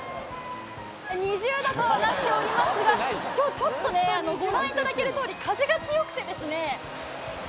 ２０℃となっておりますが今日ちょっとねご覧いただける通り風が強くてですね